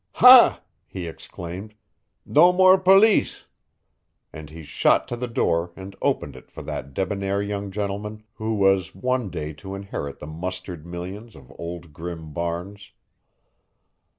"Ha!" he exclaimed. "No more police," and he shot to the door and opened it for that debonnair young gentleman who was one day to inherit the mustard millions of Old Grim Barnes.